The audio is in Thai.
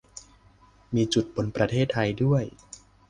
มีจุดบนประเทศไทยด้วย